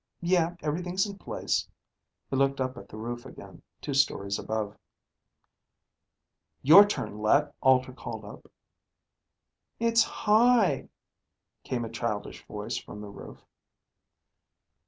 Yeah, everything's in place." He looked up at the roof again, two stories above. "Your turn, Let," Alter called up. "It's high," came a childish voice from the roof.